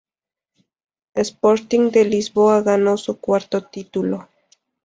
Sporting de Lisboa ganó su cuarto título.